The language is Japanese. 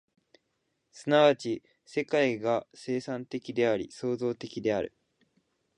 即ち世界が生産的であり、創造的である。